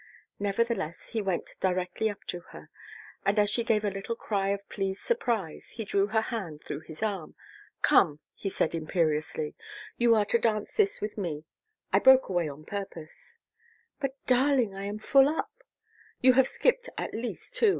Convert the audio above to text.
Nevertheless, he went directly up to her, and as she gave a little cry of pleased surprise, he drew her hand through his arm. "Come!" he said imperiously. "You are to dance this with me. I broke away on purpose " "But, darling, I am full up " "You have skipped at least two.